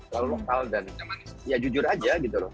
lalu lokal dan ya jujur aja gitu loh